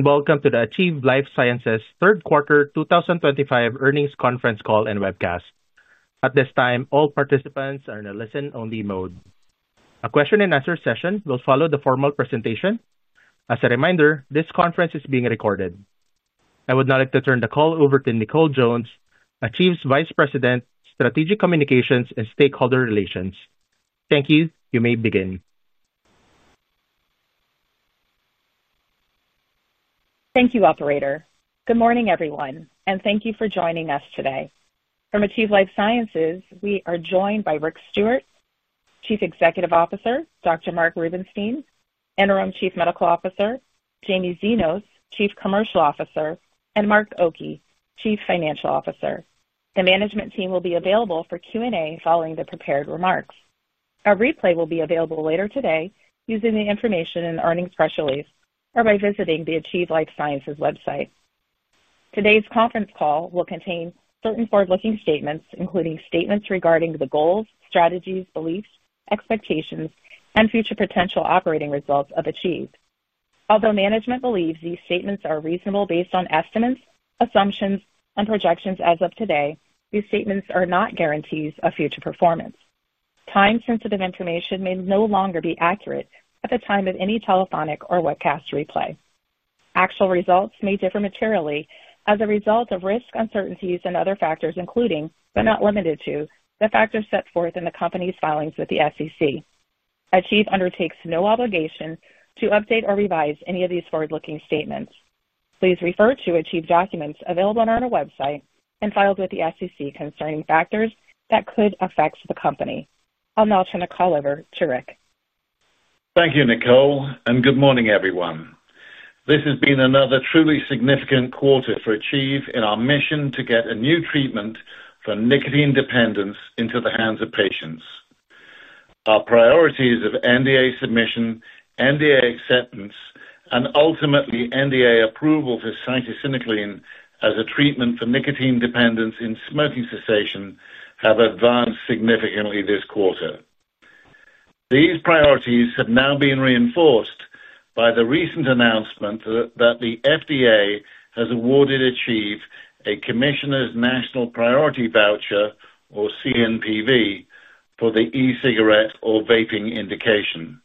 Welcome to the Achieve Life Sciences third quarter 2025 earnings conference call and webcast. At this time, all participants are in a listen-only mode. A question-and-answer session will follow the formal presentation. As a reminder, this conference is being recorded. I would now like to turn the call over to Nicole Jones, Achieve's vice president, strategic communications and stakeholder relations. Thank you. You may begin. Thank you, Operator. Good morning, everyone, and thank you for joining us today. From Achieve Life Sciences, we are joined by Rick Stewart, Chief Executive Officer, Dr. Mark Rubenstein, Interim Chief Medical Officer, Jamie Xinos, Chief Commercial Officer, and Mark Oki, Chief Financial Officer. The management team will be available for Q&A following the prepared remarks. A replay will be available later today using the information in the earnings press release or by visiting the Achieve Life Sciences website. Today's conference call will contain certain forward-looking statements, including statements regarding the goals, strategies, beliefs, expectations, and future potential operating results of Achieve. Although management believes these statements are reasonable based on estimates, assumptions, and projections as of today, these statements are not guarantees of future performance. Time-sensitive information may no longer be accurate at the time of any telephonic or webcast replay. Actual results may differ materially as a result of risk uncertainties and other factors, including, but not limited to, the factors set forth in the company's filings with the SEC. Achieve undertakes no obligation to update or revise any of these forward-looking statements. Please refer to Achieve documents available on our website and filed with the SEC concerning factors that could affect the company. I'll now turn the call over to Rick. Thank you, Nicole, and good morning, everyone. This has been another truly significant quarter for Achieve in our mission to get a new treatment for nicotine dependence into the hands of patients. Our priority of NDA submission, NDA acceptance, and ultimately NDA approval for cytisinicline as a treatment for nicotine dependence in smoking cessation have advanced significantly this quarter. These priorities have now been reinforced by the recent announcement that the FDA has awarded Achieve a Commissioner's National Priority Voucher (CNPV), for the e-cigarette or vaping indication.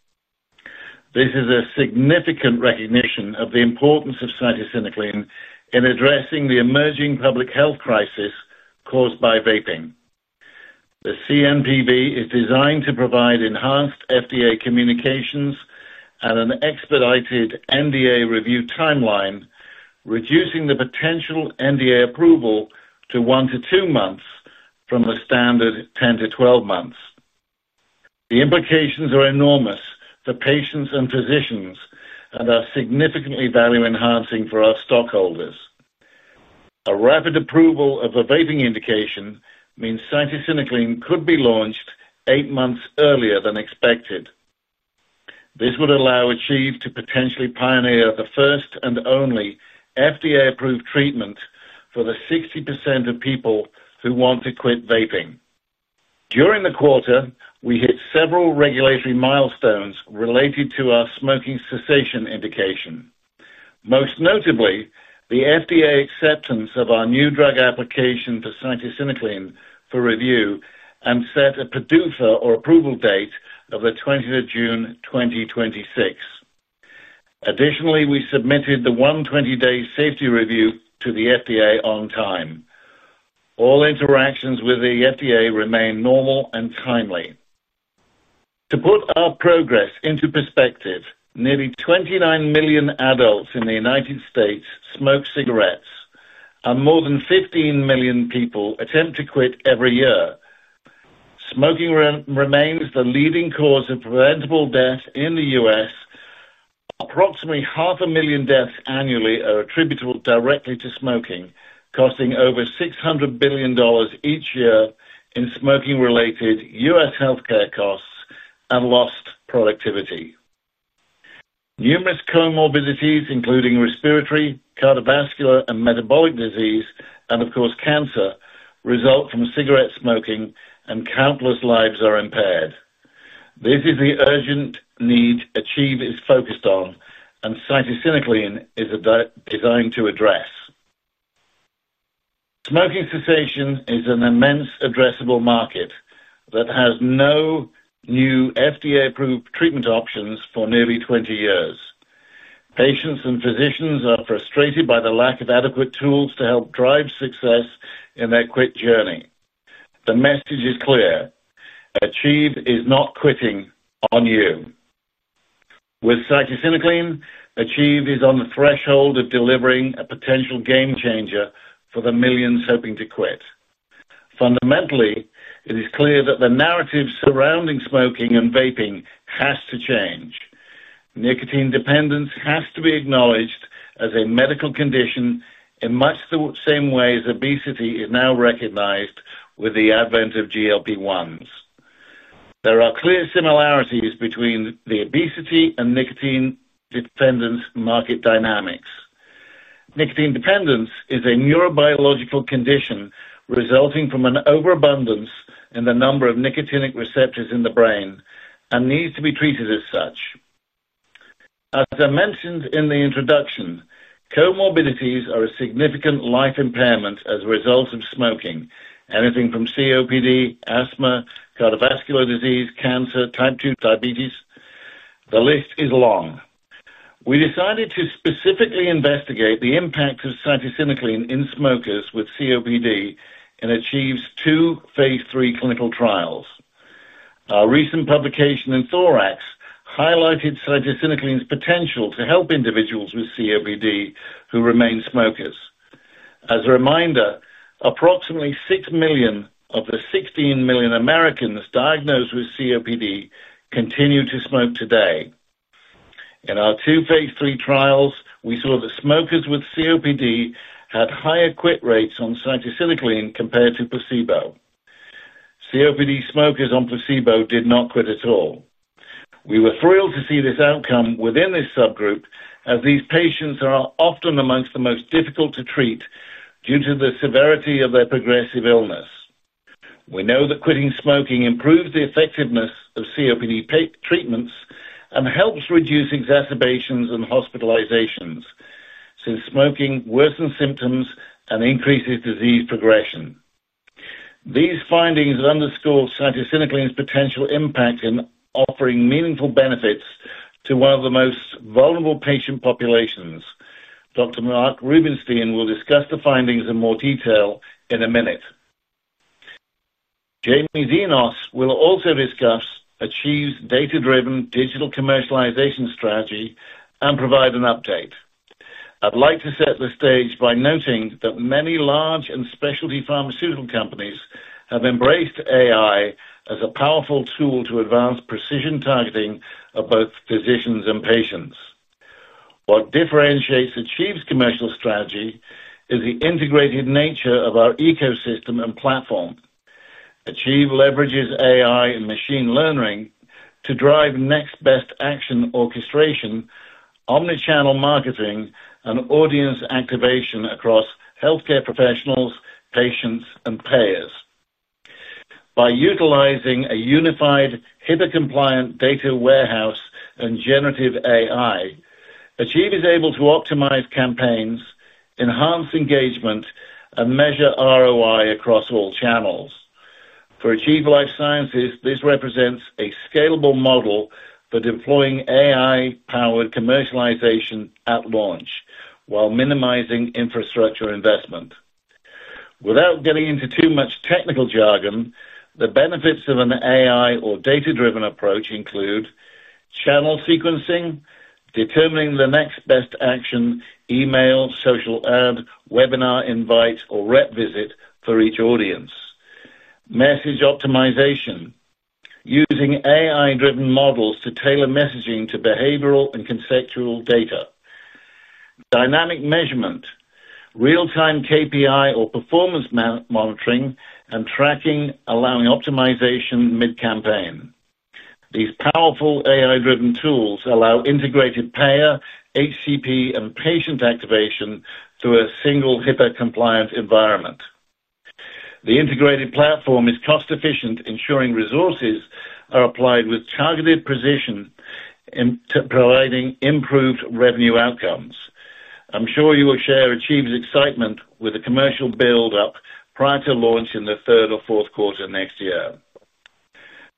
This is a significant recognition of the importance of cytisinicline in addressing the emerging public health crisis caused by vaping. The CNPV is designed to provide enhanced FDA communications and an expedited NDA review timeline, reducing the potential NDA approval to 1-2 months from the standard 10-12 months. The implications are enormous for patients and physicians and are significantly value-enhancing for our stockholders. A rapid approval of a vaping indication means cytisinicline could be launched eight months earlier than expected. This would allow Achieve to potentially pioneer the first and only FDA-approved treatment for the 60% of people who want to quit vaping. During the quarter, we hit several regulatory milestones related to our smoking cessation indication. Most notably, the FDA acceptance of our new drug application for cytisinicline for review and set a PDUFA or approval date of the June 20, 2026. Additionally, we submitted the one 20-day safety review to the FDA on time. All interactions with the FDA remain normal and timely. To put our progress into perspective, nearly 29 million adults in the U.S. smoke cigarettes, and more than 15 million people attempt to quit every year. Smoking remains the leading cause of preventable death in the U.S. Approximately 500,000 deaths annually are attributable directly to smoking, costing over $600 billion each year in smoking-related U.S. healthcare costs and lost productivity. Numerous comorbidities, including respiratory, cardiovascular, and metabolic disease, and of course cancer, result from cigarette smoking, and countless lives are impaired. This is the urgent need Achieve is focused on, and cytisinicline is designed to address. Smoking cessation is an immense addressable market that had no new FDA-approved treatment options for nearly 20 years. Patients and physicians are frustrated by the lack of adequate tools to help drive success in their quit journey. The message is clear. Achieve is not quitting on you. With cytisinicline, Achieve is on the threshold of delivering a potential game changer for the millions hoping to quit. Fundamentally, it is clear that the narrative surrounding smoking and vaping has to change. Nicotine dependence has to be acknowledged as a medical condition in much the same way as obesity is now recognized with the advent of GLP-1s. There are clear similarities between the obesity and nicotine dependence market dynamics. Nicotine dependence is a neurobiological condition resulting from an overabundance in the number of nicotinic receptors in the brain and needs to be treated as such. As I mentioned in the introduction, comorbidities are a significant life impairment as a result of smoking, anything from COPD, asthma, cardiovascular disease, cancer, type 2 diabetes. The list is long. We decided to specifically investigate the impact of cytisinicline in smokers with COPD in Achieve's two phase 3 clinical trials. Our recent publication in Thorax highlighted cytisinicline's potential to help individuals with COPD who remain smokers. As a reminder, approximately 6 million of the 16 million Americans diagnosed with COPD continue to smoke today. In our two phase 3 trials, we saw that smokers with COPD had higher quit rates on cytisinicline compared to placebo. COPD smokers on placebo did not quit at all. We were thrilled to see this outcome within this subgroup, as these patients are often amongst the most difficult to treat due to the severity of their progressive illness. We know that quitting smoking improves the effectiveness of COPD treatments and helps reduce exacerbations and hospitalizations since smoking worsens symptoms and increases disease progression. These findings underscore cytisinicline's potential impact in offering meaningful benefits to one of the most vulnerable patient populations. Dr. Mark Rubenstein will discuss the findings in more detail in a minute. Jamie Xinos will also discuss Achieve's data-driven digital commercialization strategy and provide an update. I'd like to set the stage by noting that many large and specialty pharmaceutical companies have embraced AI as a powerful tool to advance precision targeting of both physicians and patients. What differentiates Achieve's commercial strategy is the integrated nature of our ecosystem and platform. Achieve leverages AI and machine learning to drive next best action orchestration, omnichannel marketing, and audience activation across healthcare professionals, patients, and payers. By utilizing a unified HIPAA-compliant data warehouse and generative AI, Achieve is able to optimize campaigns, enhance engagement, and measure ROI across all channels. For Achieve Life Sciences, this represents a scalable model for deploying AI-powered commercialization at launch while minimizing infrastructure investment. Without getting into too much technical jargon, the benefits of an AI or data-driven approach include channel sequencing, determining the next best action: email, social ad, webinar invite, or rep visit for each audience. Message optimization, using AI-driven models to tailor messaging to behavioral and conceptual data. Dynamic measurement. Real-time KPI or performance monitoring and tracking, allowing optimization mid-campaign. These powerful AI-driven tools allow integrated payer, HCP, and patient activation through a single HIPAA-compliant environment. The integrated platform is cost-efficient, ensuring resources are applied with targeted precision. Providing improved revenue outcomes. I'm sure you will share Achieve's excitement with the commercial build-up prior to launch in the Q3 or Q4 next year.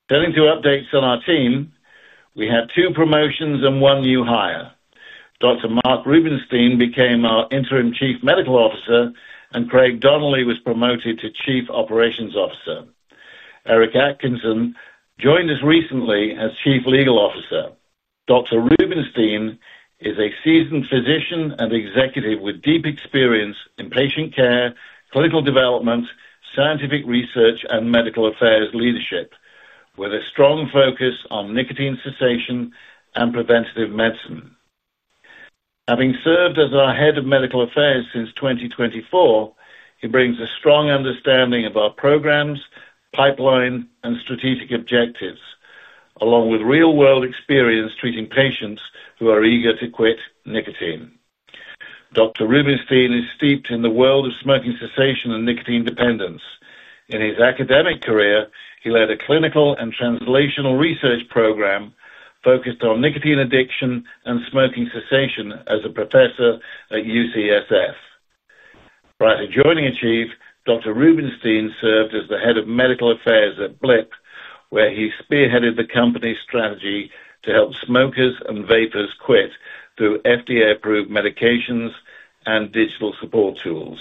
Turning to updates on our team, we had two promotions and one new hire. Dr. Mark Rubenstein became our Interim Chief Medical Officer, and Craig Donnelly was promoted to Chief Operations Officer. Eric Atkinson joined us recently as Chief Legal Officer. Dr. Rubenstein is a seasoned physician and executive with deep experience in patient care, clinical development, scientific research, and medical affairs leadership, with a strong focus on nicotine cessation and preventive medicine. Having served as our Head of Medical Affairs since 2024, he brings a strong understanding of our programs, pipeline, and strategic objectives, along with real-world experience treating patients who are eager to quit nicotine. Dr. Rubenstein is steeped in the world of smoking cessation and nicotine dependence. In his academic career, he led a clinical and translational research program focused on nicotine addiction and smoking cessation as a professor at UCSF. Prior to joining Achieve, Dr. Rubenstein served as the Head of Medical Affairs at Blip, where he spearheaded the company's strategy to help smokers and vapers quit through FDA-approved medications and digital support tools.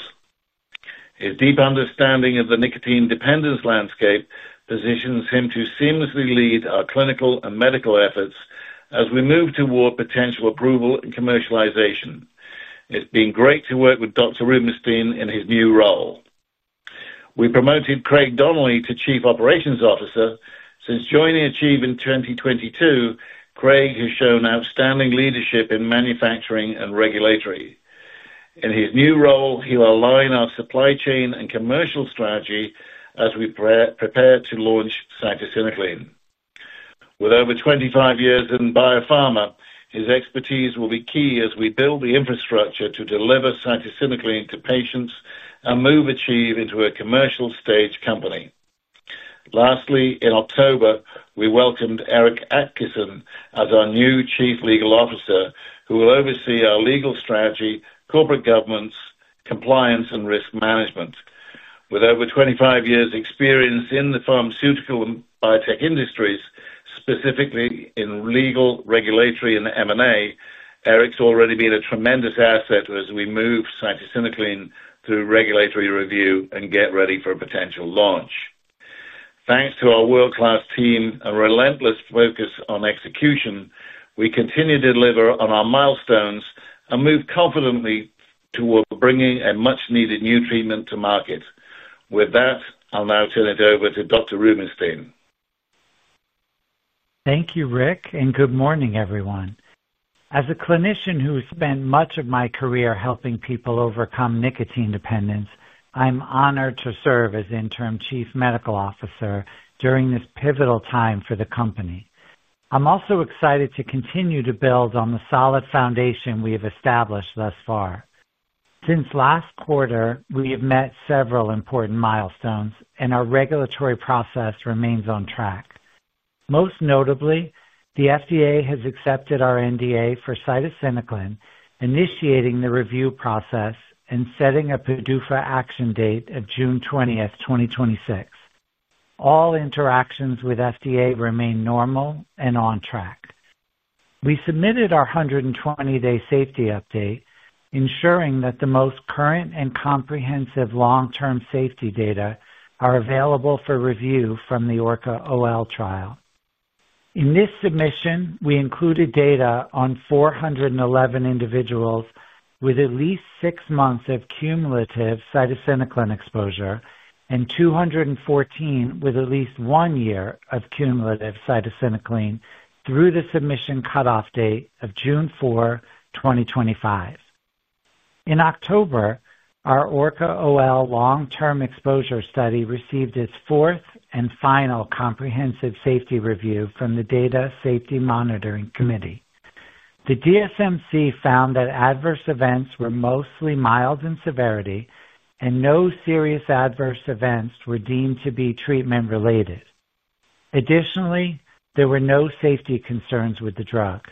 His deep understanding of the nicotine dependence landscape positions him to seamlessly lead our clinical and medical efforts as we move toward potential approval and commercialization. It's been great to work with Dr. Rubenstein in his new role. We promoted Craig Donnelly to Chief Operations Officer. Since joining Achieve in 2022, Craig has shown outstanding leadership in manufacturing and regulatory. In his new role, he will align our supply chain and commercial strategy as we prepare to launch cytisinicline. With over 25 years in biopharma, his expertise will be key as we build the infrastructure to deliver cytisinicline to patients and move Achieve into a commercial-stage company. Lastly, in October, we welcomed Eric Atkinson as our new Chief Legal Officer, who will oversee our legal strategy, corporate governance, compliance, and risk management. With over 25 years' experience in the pharmaceutical and biotech industries, specifically in legal, regulatory, and M&A, Eric's already been a tremendous asset as we move cytisinicline through regulatory review and get ready for a potential launch. Thanks to our world-class team and relentless focus on execution, we continue to deliver on our milestones and move confidently toward bringing a much-needed new treatment to market. With that, I'll now turn it over to Dr. Rubenstein. Thank you, Rick, and good morning, everyone. As a clinician who has spent much of my career helping people overcome nicotine dependence, I'm honored to serve as Interim Chief Medical Officer during this pivotal time for the company. I'm also excited to continue to build on the solid foundation we have established thus far. Since last quarter, we have met several important milestones, and our regulatory process remains on track. Most notably, the FDA has accepted our NDA for cytisinicline, initiating the review process and setting a PDUFA action date of June 20, 2026. All interactions with the FDA remain normal and on track. We submitted our 120-day safety update, ensuring that the most current and comprehensive long-term safety data are available for review from the Orca OL trial. In this submission, we included data on 411 individuals with at least six months of cumulative cytisinicline exposure and 214 with at least one year of cumulative cytisinicline through the submission cutoff date of June 4, 2025. In October, our Orca OL long-term exposure study received its fourth and final comprehensive safety review from the Data Safety Monitoring Committee (DSMC). The DSMC found that adverse events were mostly mild in severity, and no serious adverse events were deemed to be treatment-related. Additionally, there were no safety concerns with the drug.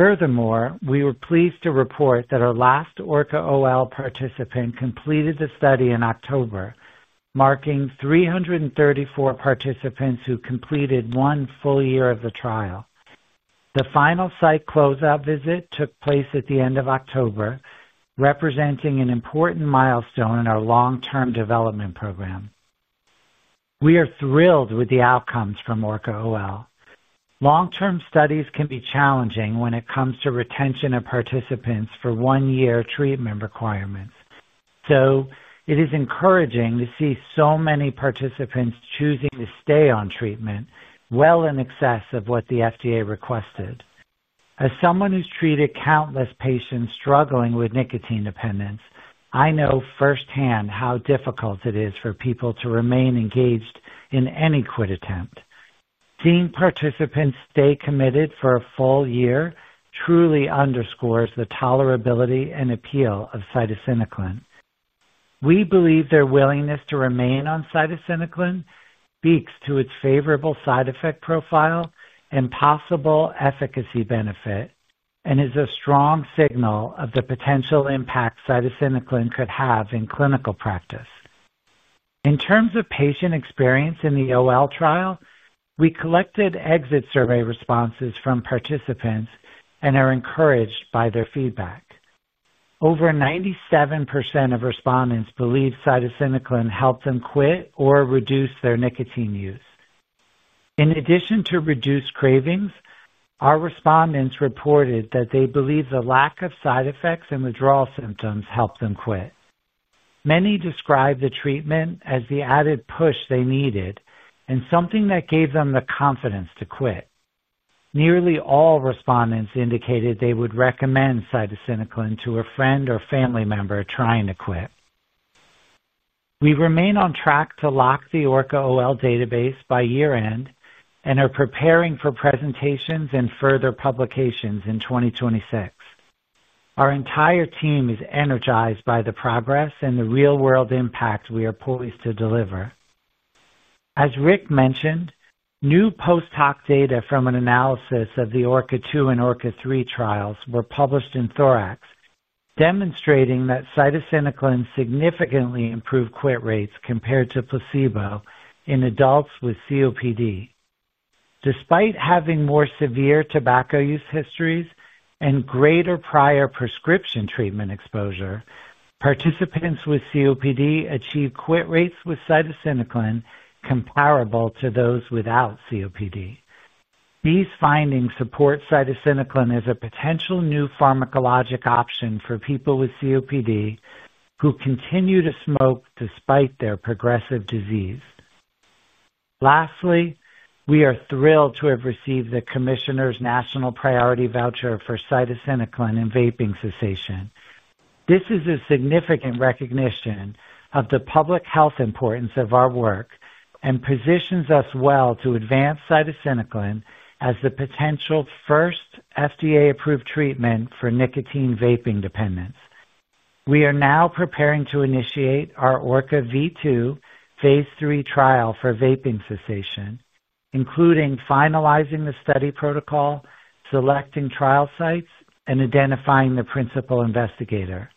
Furthermore, we were pleased to report that our last Orca OL participant completed the study in October, marking 334 participants who completed one full year of the trial. The final site closeout visit took place at the end of October, representing an important milestone in our long-term development program. We are thrilled with the outcomes from Orca OL. Long-term studies can be challenging when it comes to retention of participants for one-year treatment requirements, so it is encouraging to see so many participants choosing to stay on treatment well in excess of what the FDA requested. As someone who's treated countless patients struggling with nicotine dependence, I know firsthand how difficult it is for people to remain engaged in any quit attempt. Seeing participants stay committed for a full year truly underscores the tolerability and appeal of cytisinicline. We believe their willingness to remain on cytisinicline speaks to its favorable side effect profile and possible efficacy benefit, and is a strong signal of the potential impact cytisinicline could have in clinical practice. In terms of patient experience in the OL trial, we collected exit survey responses from participants and are encouraged by their feedback. Over 97% of respondents believe cytisinicline helped them quit or reduce their nicotine use. In addition to reduced cravings, our respondents reported that they believe the lack of side effects and withdrawal symptoms helped them quit. Many described the treatment as the added push they needed and something that gave them the confidence to quit. Nearly all respondents indicated they would recommend cytisinicline to a friend or family member trying to quit. We remain on track to lock the Orca OL database by year-end and are preparing for presentations and further publications in 2026. Our entire team is energized by the progress and the real-world impact we are poised to deliver. As Rick mentioned, new post-hoc data from an analysis of the Orca 2 and Orca 3 trials were published in Thorax, demonstrating that cytisinicline significantly improved quit rates compared to placebo in adults with COPD. Despite having more severe tobacco use histories and greater prior prescription treatment exposure, participants with COPD achieved quit rates with cytisinicline comparable to those without COPD. These findings support cytisinicline as a potential new pharmacologic option for people with COPD who continue to smoke despite their progressive disease. Lastly, we are thrilled to have received the Commissioner's National Priority Voucher (CNPV) for cytisinicline and vaping cessation. This is a significant recognition of the public health importance of our work and positions us well to advance cytisinicline as the potential first FDA-approved treatment for nicotine vaping dependence. We are now preparing to initiate our Orca V2 phase 3 trial for vaping cessation, including finalizing the study protocol, selecting trial sites, and identifying the principal investigator.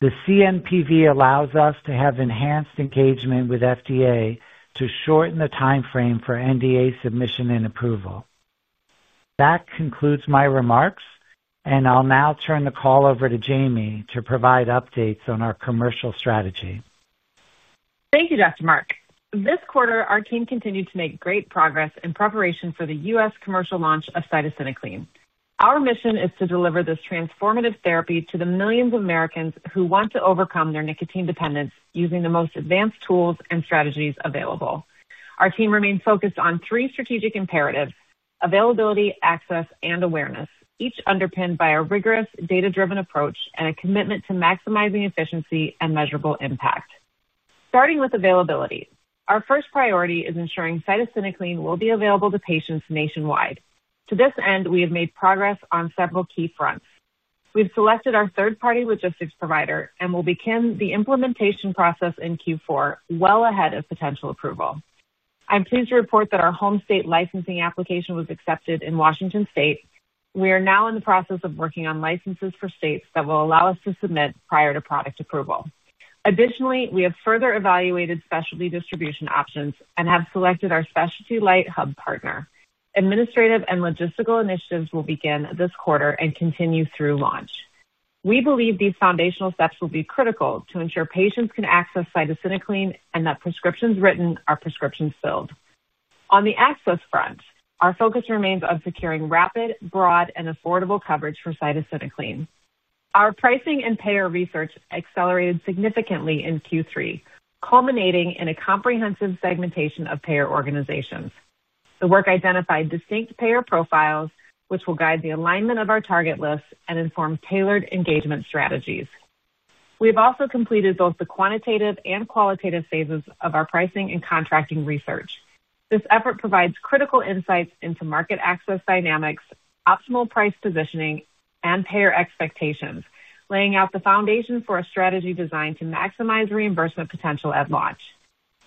The CNPV allows us to have enhanced engagement with the FDA to shorten the timeframe for NDA submission and approval. That concludes my remarks, and I'll now turn the call over to Jamie to provide updates on our commercial strategy. Thank you, Dr. Mark. This quarter, our team continued to make great progress in preparation for the U.S. commercial launch of cytisinicline. Our mission is to deliver this transformative therapy to the millions of Americans who want to overcome their nicotine dependence using the most advanced tools and strategies available. Our team remains focused on three strategic imperatives: availability, access, and awareness, each underpinned by a rigorous, data-driven approach and a commitment to maximizing efficiency and measurable impact. Starting with availability, our first priority is ensuring cytisinicline will be available to patients nationwide. To this end, we have made progress on several key fronts. We've selected our third-party logistics (3PL) provider and will begin the implementation process in Q4 2025 well ahead of potential approval. I'm pleased to report that our home state licensing application was accepted in Washington State. We are now in the process of working on licenses for states that will allow us to submit prior to product approval. Additionally, we have further evaluated specialty distribution options and have selected our Specialty Light Hub partner. Administrative and logistical initiatives will begin this quarter and continue through launch. We believe these foundational steps will be critical to ensure patients can access cytisinicline and that prescriptions written are prescriptions filled. On the access front, our focus remains on securing rapid, broad, and affordable coverage for cytisinicline. Our pricing and payer research accelerated significantly in Q3 2025, culminating in a comprehensive segmentation of payer organizations. The work identified distinct payer profiles, which will guide the alignment of our target lists and inform tailored engagement strategies. We have also completed both the quantitative and qualitative phases of our pricing and contracting research. This effort provides critical insights into market access dynamics, optimal price positioning, and payer expectations, laying out the foundation for a strategy designed to maximize reimbursement potential at launch.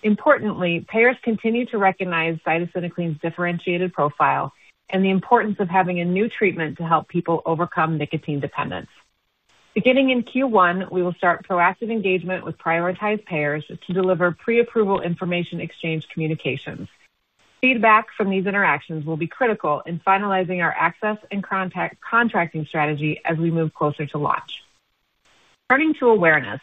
Importantly, payers continue to recognize cytisinicline's differentiated profile and the importance of having a new treatment to help people overcome nicotine dependence. Beginning in Q1 2026, we will start proactive engagement with prioritized payers to deliver pre-approval information exchange communications. Feedback from these interactions will be critical in finalizing our access and contracting strategy as we move closer to launch. Turning to awareness,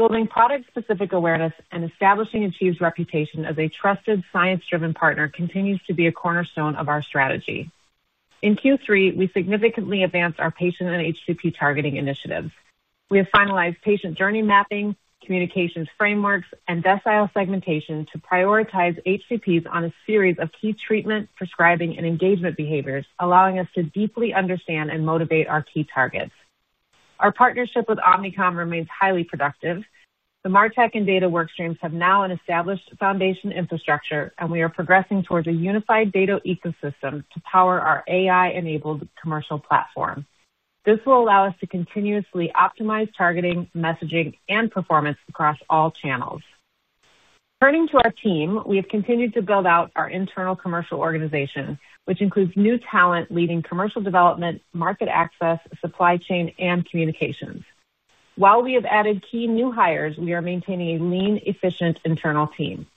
building product-specific awareness, and establishing Achieve's reputation as a trusted, science-driven partner continues to be a cornerstone of our strategy. In Q3 2025, we significantly advanced our patient and HCP targeting initiatives. We have finalized patient journey mapping, communications frameworks, and decile segmentation to prioritize HCPs on a series of key treatment, prescribing, and engagement behaviors, allowing us to deeply understand and motivate our key targets. Our partnership with Omnicom remains highly productive. The MarTech and data workstreams have now an established foundation infrastructure, and we are progressing towards a unified data ecosystem to power our AI-enabled commercial platform. This will allow us to continuously optimize targeting, messaging, and performance across all channels. Turning to our team, we have continued to build out our internal commercial organization, which includes new talent leading commercial development, market access, supply chain, and communications. While we have added key new hires, we are maintaining a lean, efficient internal team.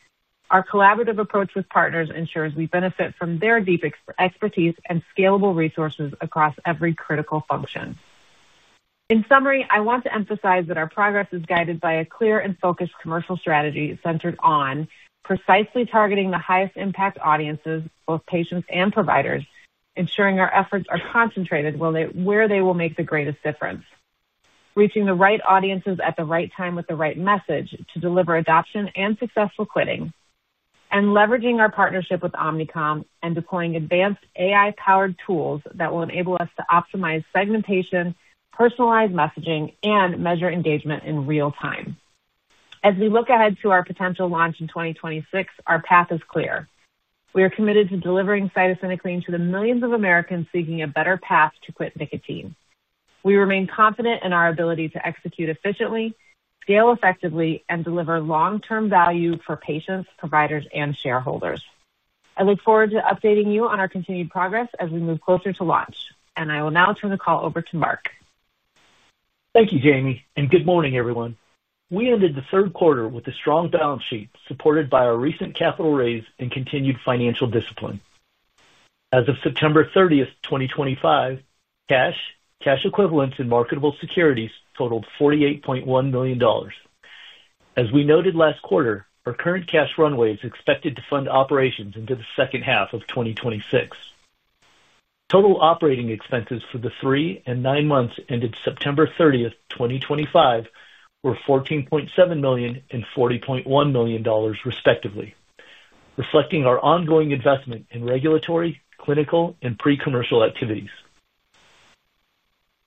Our collaborative approach with partners ensures we benefit from their deep expertise and scalable resources across every critical function. In summary, I want to emphasize that our progress is guided by a clear and focused commercial strategy centered on precisely targeting the highest impact audiences, both patients and providers, ensuring our efforts are concentrated where they will make the greatest difference. Reaching the right audiences at the right time with the right message to deliver adoption and successful quitting, and leveraging our partnership with Omnicom and deploying advanced AI-powered tools that will enable us to optimize segmentation, personalize messaging, and measure engagement in real time. As we look ahead to our potential launch in 2026, our path is clear. We are committed to delivering cytisinicline to the millions of Americans seeking a better path to quit nicotine. We remain confident in our ability to execute efficiently, scale effectively, and deliver long-term value for patients, providers, and shareholders. I look forward to updating you on our continued progress as we move closer to launch, and I will now turn the call over to Mark. Thank you, Jamie, and good morning, everyone. We ended the third quarter with a strong balance sheet supported by our recent capital raise and continued financial discipline. As of September 30, 2025, cash, cash equivalents, and marketable securities totaled $48.1 million. As we noted last quarter, our current cash runway is expected to fund operations into the second half of 2026. Total operating expenses for the three-and nine-months ended September 30, 2025, were $14.7 million and $40.1 million, respectively, reflecting our ongoing investment in regulatory, clinical, and pre-commercial activities.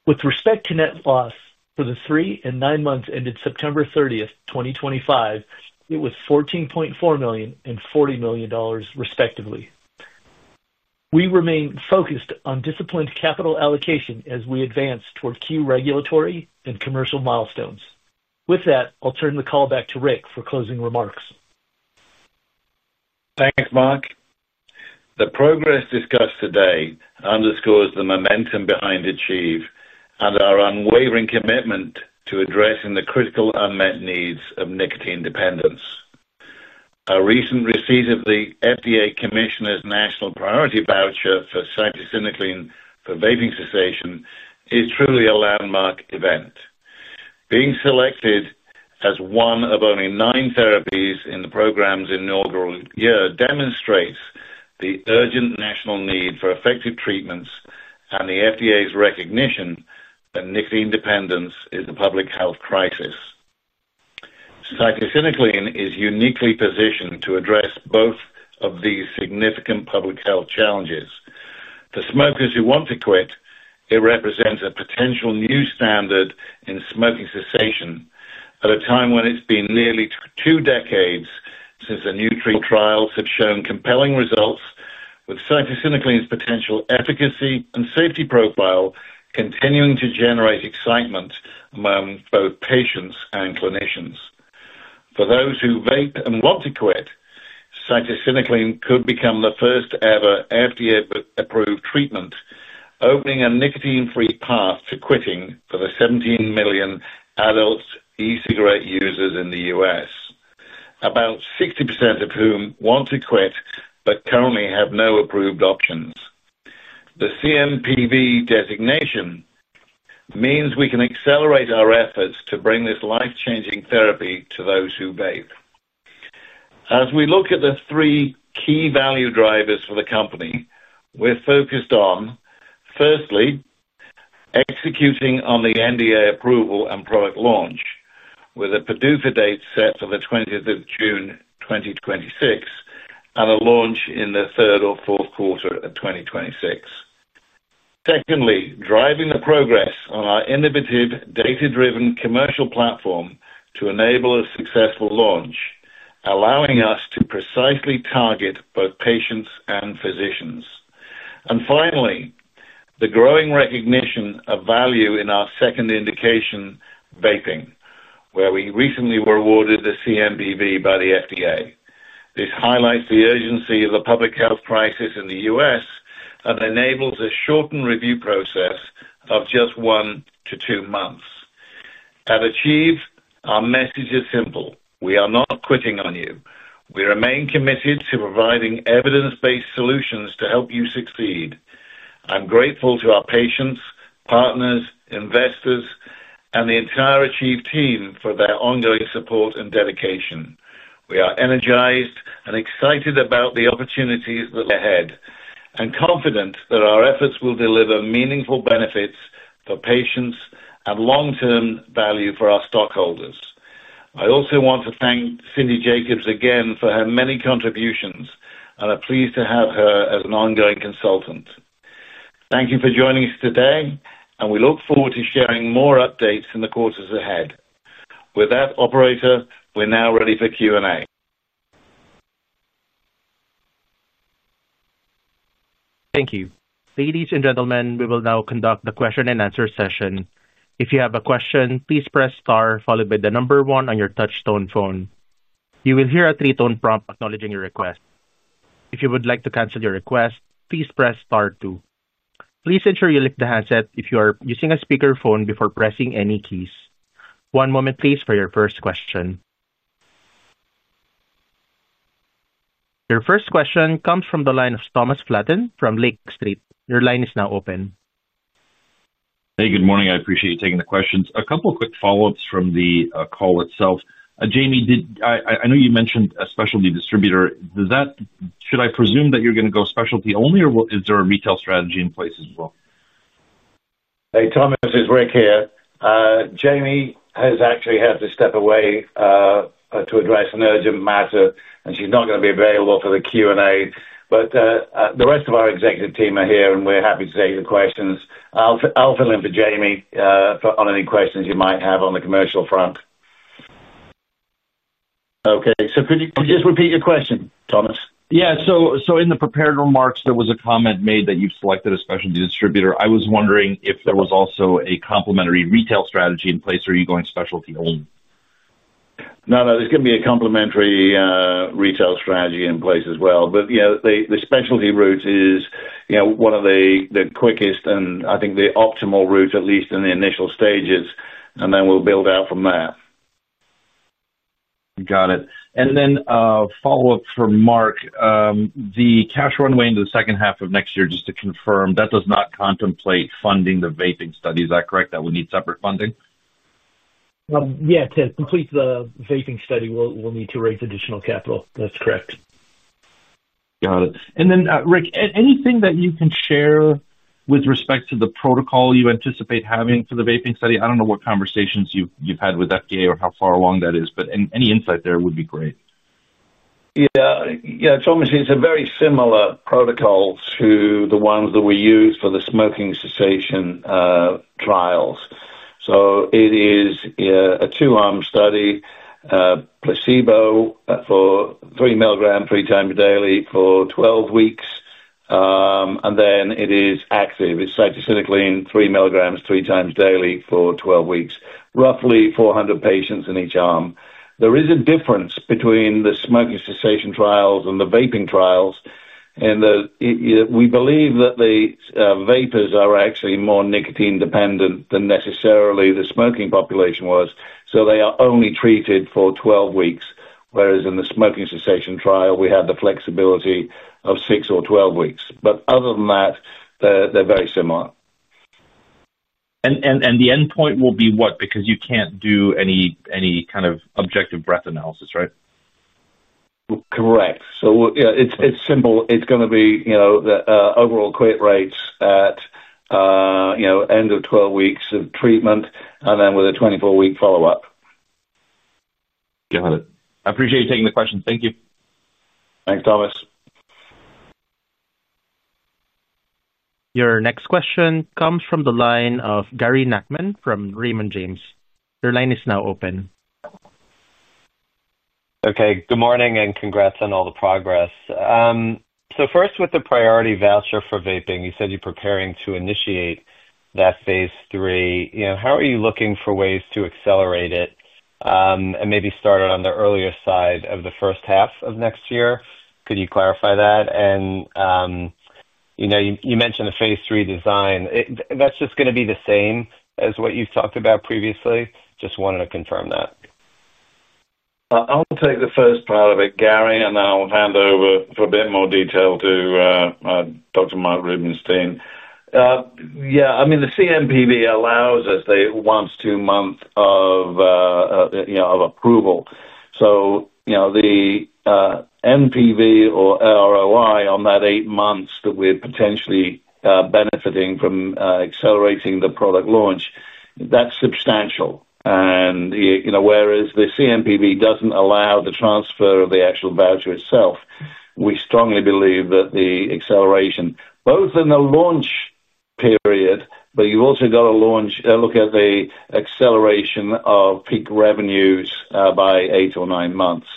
With respect to net loss for the three and nine months ended September 30, 2025, it was $14.4 million and $40 million, respectively. We remain focused on disciplined capital allocation as we advance toward key regulatory and commercial milestones. With that, I'll turn the call back to Rick for closing remarks. Thanks, Mark. The progress discussed today underscores the momentum behind Achieve and our unwavering commitment to addressing the critical unmet needs of nicotine dependence. Our recent receipt of the FDA Commissioner's National Priority Voucher for cytisinicline for vaping cessation is truly a landmark event. Being selected as one of only nine therapies in the program's inaugural year demonstrates the urgent national need for effective treatments and the FDA's recognition that nicotine dependence is a public health crisis. Cytisinicline is uniquely positioned to address both of these significant public health challenges. For smokers who want to quit, it represents a potential new standard in smoking cessation at a time when it's been nearly two decades since new trials have shown compelling results, with cytisinicline's potential efficacy and safety profile continuing to generate excitement among both patients and clinicians. For those who vape and want to quit, cytisinicline could become the first-ever FDA-approved treatment, opening a nicotine-free path to quitting for the 17 million adult e-cigarette users in the U.S., about 60% of whom want to quit but currently have no approved options. The CNPV designation. Means we can accelerate our efforts to bring this life-changing therapy to those who vape. As we look at the three key value drivers for the company, we're focused on. Firstly, executing on the NDA approval and product launch, with a PDUFA date set for June 20, 2026 and a launch in the Q3 or Q4 of 2026. Secondly, driving the progress on our innovative, data-driven commercial platform to enable a successful launch, allowing us to precisely target both patients and physicians. Finally, the growing recognition of value in our second indication, vaping, where we recently were awarded the CNPV by the FDA. This highlights the urgency of the public health crisis in the U.S. and enables a shortened review process of just one to two months. At Achieve, our message is simple: we are not quitting on you. We remain committed to providing evidence-based solutions to help you succeed. I'm grateful to our patients, partners, investors, and the entire Achieve team for their ongoing support and dedication. We are energized and excited about the opportunities that lie ahead and confident that our efforts will deliver meaningful benefits for patients and long-term value for our stockholders. I also want to thank Cindy Jacobs again for her many contributions and are pleased to have her as an ongoing consultant. Thank you for joining us today, and we look forward to sharing more updates in the quarters ahead. With that, operator, we're now ready for Q&A. Thank you. Ladies and gentlemen, we will now conduct the question-and-answer session. If you have a question, please press Star followed by the number one on your touchstone phone. You will hear a three-tone prompt acknowledging your request. If you would like to cancel your request, please press Star 2. Please ensure you lift the handset if you are using a speakerphone before pressing any keys. One moment, please, for your first question. Your first question comes from the line of Thomas Flatten from Lake Street. Your line is now open. Hey, good morning. I appreciate you taking the questions. A couple of quick follow-ups from the call itself. Jamie, I know you mentioned a specialty distributor. Should I presume that you're going to go specialty only, or is there a retail strategy in place as well? Hey, Thomas, it's Rick here. Jamie has actually had to step away to address an urgent matter, and she's not going to be available for the Q&A. The rest of our executive team are here, and we're happy to take your questions. I'll fill in for Jamie on any questions you might have on the commercial front. Okay. Could you just repeat your question, Thomas? Yeah. In the prepared remarks, there was a comment made that you've selected a specialty distributor. I was wondering if there was also a complementary retail strategy in place or are you going specialty only? No, no. There's going to be a complementary retail strategy in place as well. The specialty route is one of the quickest and I think the optimal route, at least in the initial stages, and then we'll build out from there. Got it. A follow-up for Mark. The cash runway into the second half of 2026, just to confirm, that does not contemplate funding the vaping study. Is that correct? That would need separate funding? Yeah. To complete the vaping study, we'll need to raise additional capital. That's correct. Got it. Rick, anything that you can share with respect to the protocol you anticipate having for the vaping study? I don't know what conversations you've had with FDA or how far along that is, but any insight there would be great. Yeah. Thomas, it's a very similar protocol to the ones that we use for the smoking cessation trials. It is a two-arm study. Placebo for 3 mg, three times daily for 12 weeks. It is active. It's cytisinicline 3 mg three times daily for 12 weeks, roughly 400 patients in each arm. There is a difference between the smoking cessation trials and the vaping trials, and we believe that the vapers are actually more nicotine-dependent than necessarily the smoking population was, so they are only treated for 12 weeks, whereas in the smoking cessation trial, we had the flexibility of 6 or 12 weeks. Other than that, they're very similar. The endpoint will be what? Because you can't do any kind of objective breath analysis, right? Correct. It's simple. It's going to be the overall quit rates at end of 12 weeks of treatment and then with a 24-week follow-up. Got it. I appreciate you taking the questions. Thank you. Thanks, Thomas. Your next question comes from the line of Gary Nachman from Raymond James. Your line is now open. Okay. Good morning and congrats on all the progress. First, with the priority voucher for vaping, you said you're preparing to initiate that phase 3. How are you looking for ways to accelerate it, and maybe start it on the earlier side of the first half of 2026? Could you clarify that? You mentioned the phase 3 design. That's just going to be the same as what you've talked about previously? Just wanted to confirm that. I'll take the first part of it, Gary, and then I'll hand over for a bit more detail to Dr. Mark Rubenstein. Yeah, I mean, the CNPV allows us the once-to-month of approval. The NPV/ROI on those eight months that we're potentially benefiting from accelerating the product launch, that's substantial. Whereas the CNPV does not allow the transfer of the actual voucher itself, we strongly believe that the acceleration, both in the launch period, but you have also got to look at the acceleration of peak revenues by eight or nine months.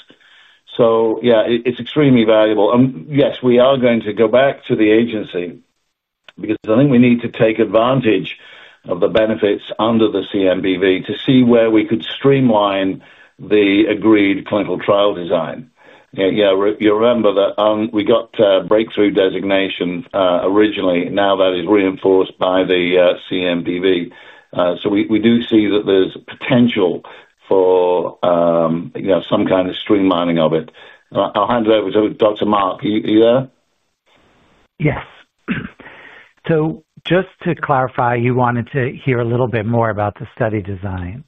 Yeah, it is extremely valuable. Yes, we are going to go back to the agency because I think we need to take advantage of the benefits under the CNPV to see where we could streamline the agreed clinical trial design. You remember that we got breakthrough designation originally. Now that is reinforced by the CNPV. We do see that there is potential for some kind of streamlining of it. I will hand it over to Dr. Mark. Are you there? Yes. Just to clarify, you wanted to hear a little bit more about the study design.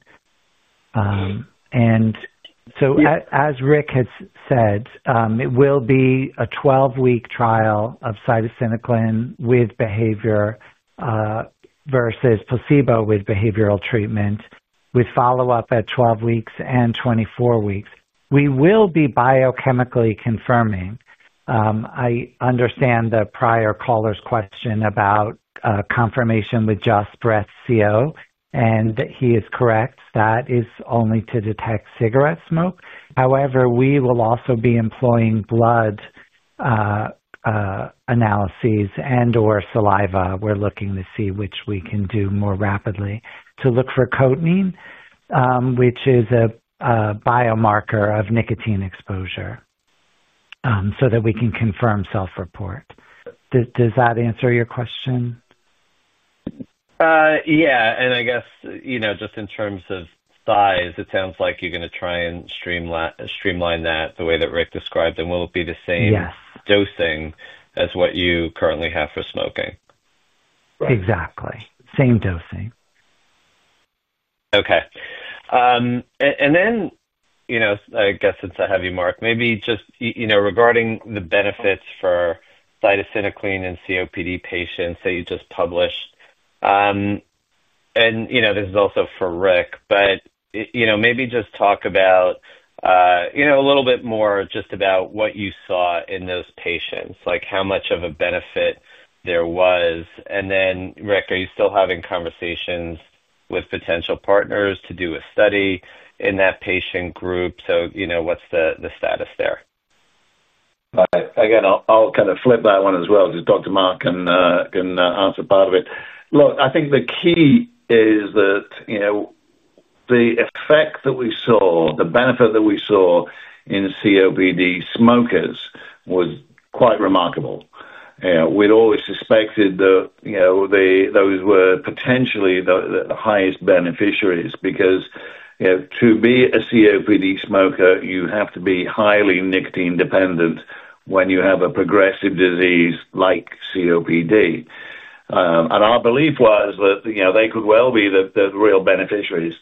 As Rick has said, it will be a 12-week trial of cytisine with behavior versus placebo with behavioral treatment, with follow-up at 12 weeks and 24 weeks. We will be biochemically confirming. I understand the prior caller's question about confirmation with Just Breath CO, and he is correct. That is only to detect cigarette smoke. However, we will also be employing blood analyses and/or saliva testing. We are looking to see which we can do more rapidly to look for cotinine, which is a biomarker of nicotine exposure, so that we can confirm self-report use. Does that answer your question? Yeah. I guess just in terms of size, it sounds like you are going to try and streamline that the way that Rick described, and will it be the same dosing as what you currently have for smoking? Exactly. Same dosing. Okay. And then I guess since I have you, Mark, maybe just regarding the benefits for cytisinicline and COPD patients that you just published. This is also for Rick, but maybe just talk about a little bit more just about what you saw in those patients, how much of a benefit there was. Rick, are you still having conversations with potential partners to do a study in that patient group? What's the status there? Again, I'll kind of flip that one as well because Dr. Mark can answer part of it. Look, I think the key is that the effect that we saw, the benefit that we saw in COPD smokers was quite remarkable. We'd always suspected that those were potentially the highest beneficiaries because to be a COPD smoker, you have to be highly nicotine-dependent when you have a progressive disease like COPD. Our belief was that they could well be the real beneficiaries.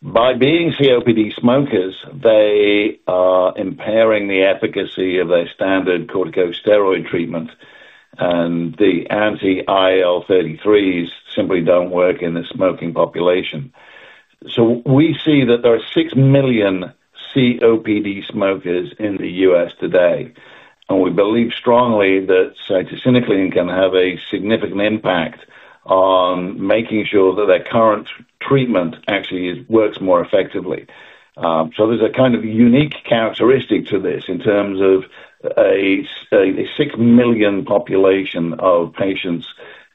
By being COPD smokers, they are impairing the efficacy of their standard corticosteroid treatment. The anti-IL-33s simply do not work in the smoking population. We see that there are 6 million COPD smokers in the U.S. today. We believe strongly that cytisinicline can have a significant impact on making sure that their current treatment actually works more effectively. There is a kind of unique characteristic to this in terms of a 6 million population of patients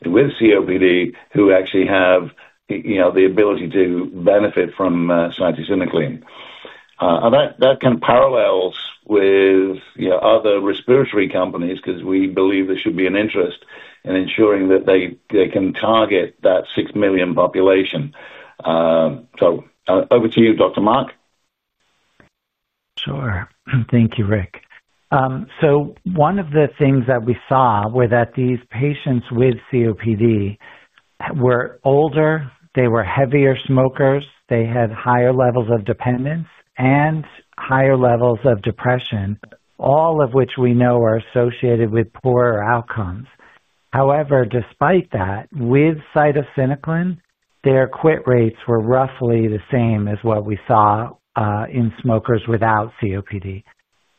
with COPD who actually have the ability to benefit from cytisinicline. That kind of parallels with other respiratory companies because we believe there should be an interest in ensuring that they can target that 6 million population. Over to you, Dr. Mark. Sure. Thank you, Rick. One of the things that we saw were that these patients with COPD were older, they were heavier smokers, they had higher levels of dependence, and higher levels of depression, all of which we know are associated with poorer outcomes. However, despite that, with cytisinicline, their quit rates were roughly the same as what we saw in smokers without COPD.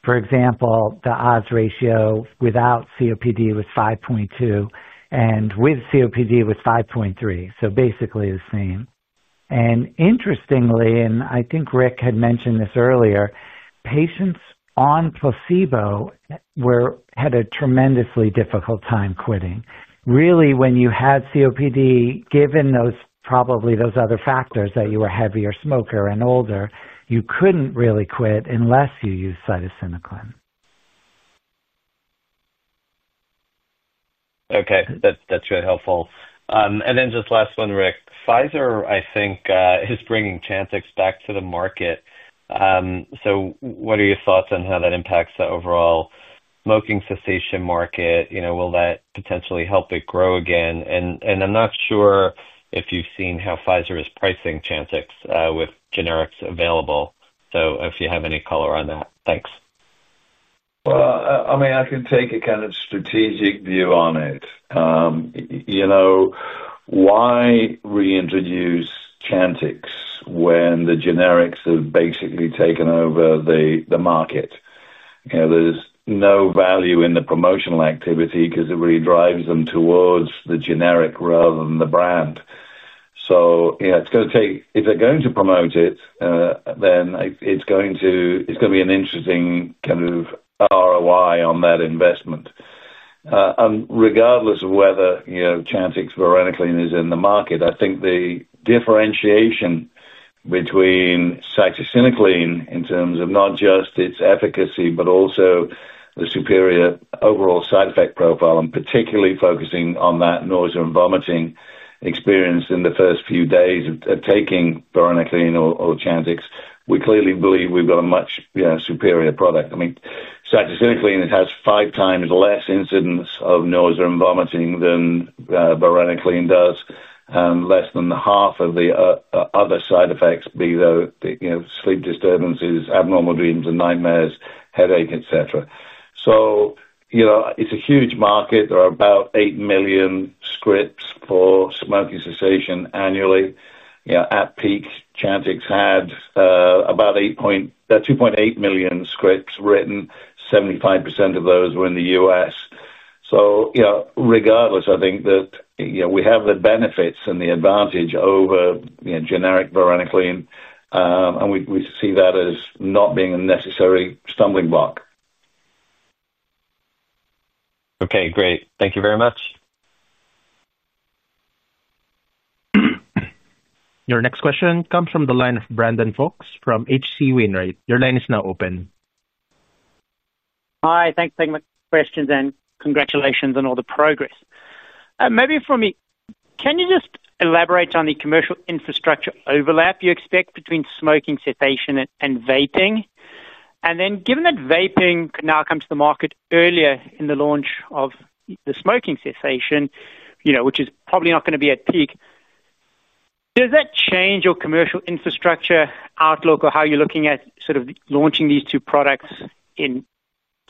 For example, the odds ratio without COPD was 5.2, and with COPD was 5.3. Basically the same. Interestingly, and I think Rick had mentioned this earlier, patients on placebo had a tremendously difficult time quitting. Really, when you had COPD, given probably those other factors that you were a heavier smoker and older, you could not really quit unless you used cytisinicline. Okay. That is really helpful. Just last one, Rick. Pfizer, I think, is bringing Chantix back to the market. What are your thoughts on how that impacts the overall smoking cessation market? Will that potentially help it grow again? I'm not sure if you've seen how Pfizer is pricing Chantix with generics available? If you have any color on that, thanks. I can take a kind of strategic view on it. Why reintroduce Chantix when the generics have basically taken over the market? There's no value in the promotional activity because it really drives them towards the generic rather than the brand. It's going to take, if they're going to promote it, then it's going to be an interesting kind of ROI on that investment. Regardless of whether Chantix or varenicline is in the market, I think the differentiation between. Cytisinicline in terms of not just its efficacy, but also the superior overall side effect profile, and particularly focusing on that nausea and vomiting experience in the first few days of taking varenicline (Chantix), we clearly believe we've got a much superior product. I mean, cytisinicline has five times less incidence of nausea and vomiting than varenicline does, and less than half of the other side effects, be those sleep disturbances, abnormal dreams and nightmares, headache, etc. It's a huge market. There are about 8 million scripts for smoking cessation annually. At peak, Chantix had about 2.8 million scripts written, 75% in the U.S. Regardless, I think that we have the benefits and the advantage over generic varenicline, and we see that as not being a necessary stumbling block. Okay. Great. Thank you very much. Your next question comes from the line of Brandon Fox from HC Wainwright. Your line is now open. Hi. Thanks for taking my questions and congratulations on all the progress. Maybe from. Can you just elaborate on the commercial infrastructure overlap you expect between smoking cessation and vaping? And then given that vaping could now come to the market earlier in the launch of the smoking cessation, which is probably not going to be at peak. Does that change your commercial infrastructure outlook or how you're looking at sort of launching these two products in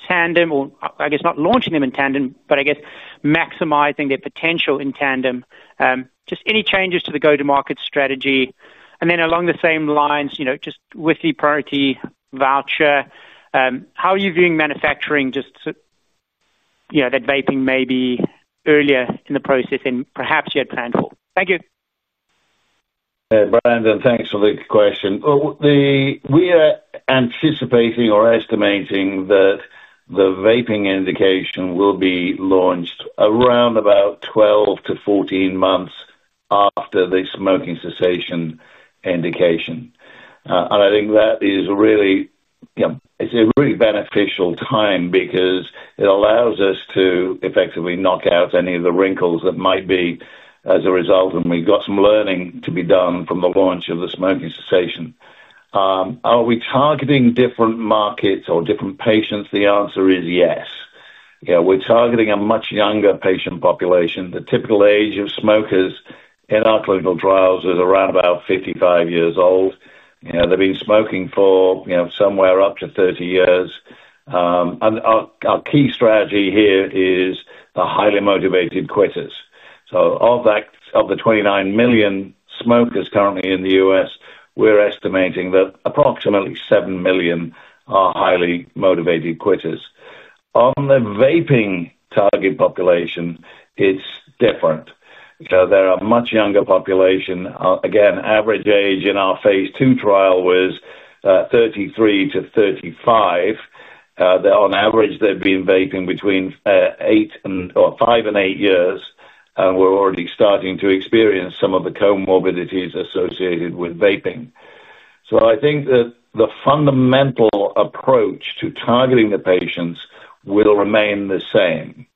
tandem? Or I guess not launching them in tandem, but I guess maximizing their potential in tandem. Just any changes to the go-to-market strategy? And then along the same lines, just with the priority voucher, how are you viewing manufacturing just. That vaping may be earlier in the process than perhaps you had planned for? Thank you. Brandon, thanks for the question. We are anticipating or estimating that the vaping indication will be launched around 12-14 months after the smoking cessation indication. I think that is a really beneficial time because it allows us to effectively knock out any of the wrinkles that might be as a result. We've got some learning to be done from the launch of the smoking cessation. Are we targeting different markets or different patients? The answer is yes. We're targeting a much younger patient population. The typical age of smokers in our clinical trials is ~55 years old. They've been smoking for somewhere up to ~30 years. Our key strategy here is the highly motivated quitters. Of the ~29 million smokers currently in the U.S., we're estimating that approximately ~7 million are highly motivated quitters. On the vaping target population, it's different. They are a much younger population. Again, average age in our phase two trial was ~33-35. On average, they've been vaping between 5-8 years, and we're already starting to experience some of the comorbidities associated with vaping. I think that the fundamental approach to targeting the patients will remain the same.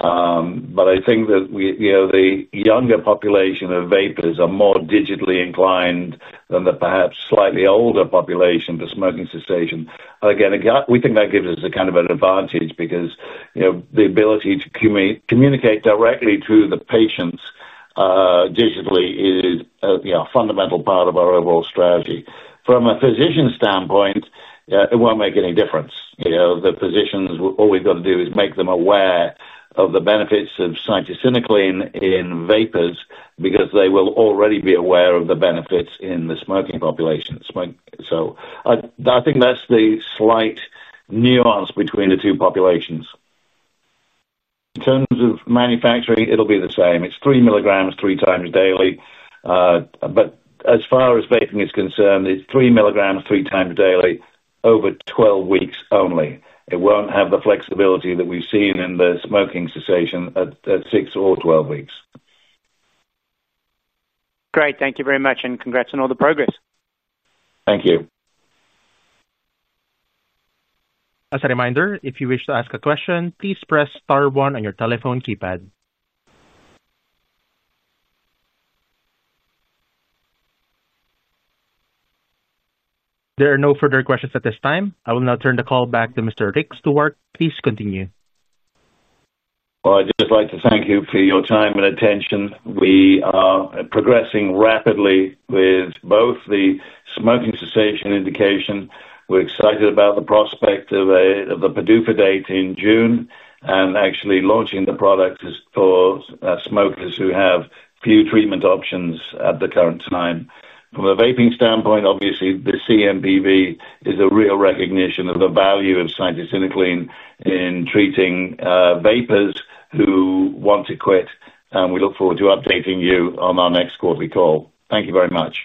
I think that the younger population of vapers are more digitally inclined than the perhaps slightly older population to smoking cessation. Again, we think that gives us a kind of an advantage because the ability to communicate directly to the patients digitally is a fundamental part of our overall strategy. From a physician standpoint, it won't make any difference. The physicians, all we've got to do is make them aware of the benefits of cytisinicline in vapers because they will already be aware of the benefits in the smoking population. I think that's the slight nuance between the two populations. In terms of manufacturing, it'll be the same. It's 3 mg three times daily. As far as vaping is concerned, it's 3 mg three times daily over 12 weeks only. It won't have the flexibility that we've seen in the smoking cessation at 6- or 12-weeks. Great. Thank you very much, and congrats on all the progress. Thank you. As a reminder, if you wish to ask a question, please press star 1 on your telephone keypad. There are no further questions at this time. I will now turn the call back to Mr. Rick Stewart. Please continue. I'd just like to thank you for your time and attention. We are progressing rapidly with both the smoking cessation indication. We're excited about the prospect of the PDUFA date in June 2026 and actually launching the product for smokers who have few treatment options at the current time. From a vaping standpoint, obviously, the CNPV is a real recognition of the value of cytisinicline in treating vapers who want to quit. We look forward to updating you on our next quarterly call. Thank you very much.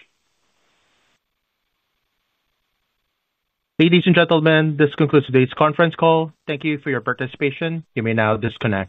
Ladies and gentlemen, this concludes today's conference call. Thank you for your participation. You may now disconnect.